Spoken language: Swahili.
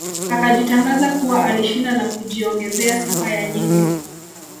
Akajitangaza kuwa alishinda na kujiongezea sifa ya nyingi